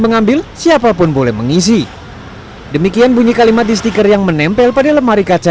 mengambil siapapun boleh mengisi demikian bunyi kalimat di stiker yang menempel pada lemari kaca